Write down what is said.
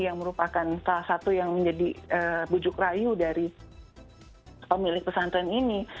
yang merupakan salah satu yang menjadi bujuk rayu dari pemilik pesantren ini